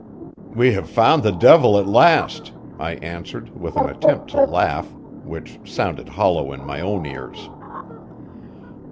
"We have found the devil at last," I answered, with an attempt to laugh, which sounded hollow in my own ears.